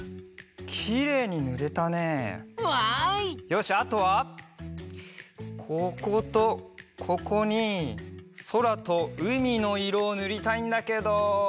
よしあとはこことここにそらとうみのいろをぬりたいんだけど。